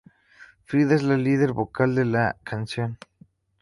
Frida es la líder vocal de la canción.